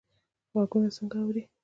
غوږونه څنګه اوري؟